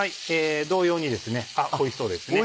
同様においしそうですね。